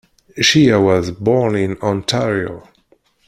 Shea was born in Ontario.